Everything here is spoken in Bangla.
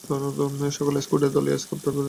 সকল স্কাউট এর দলীয় স্কার্ফ পরিধান বাধ্যতামূলক।